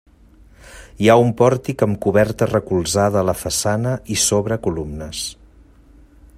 Hi ha un pòrtic amb coberta recolzada a la façana i sobre columnes.